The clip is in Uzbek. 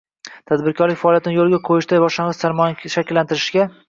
Tadbirkorlik faoliyatini yo‘lga qo‘yishda boshlang‘ich sarmoyani shakllantirishga